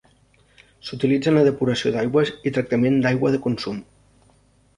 S'utilitza en la depuració d'aigües i tractament d'aigua de consum.